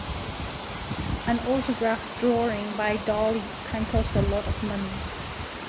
An autograph drawing by Dali can cost a lot of money.